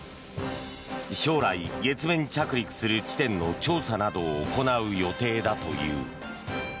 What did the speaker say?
将来、月面着陸する地点の調査などを行う予定だという。